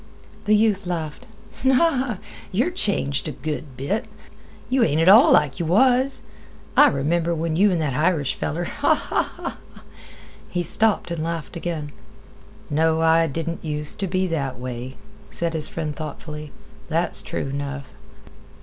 The youth laughed. "Yer changed a good bit. Yeh ain't at all like yeh was. I remember when you an' that Irish feller—" He stopped and laughed again. "No, I didn't use t' be that way," said his friend thoughtfully. "That's true 'nough."